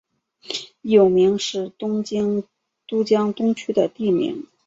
有明是东京都江东区的地名。